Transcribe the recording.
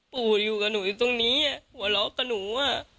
ปู่อยู่กับหนูอยู่ตรงนี้หัวเราะกับหนู